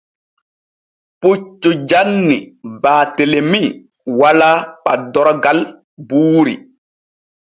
Puccu janni Baatelemi walaa paddorgal buuri.